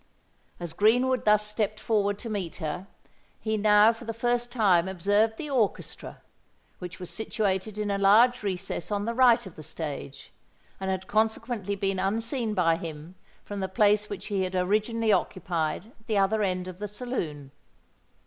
As Greenwood thus stepped forward to meet her, he now for the first time observed the orchestra, which was situated in a large recess on the right of the stage, and had consequently been unseen by him from the place which he had originally occupied at the other end of the saloon.